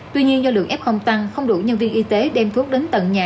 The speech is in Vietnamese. tuy nhiên do lượng f tăng không đủ nhân viên y tế đem thuốc đến tận nhà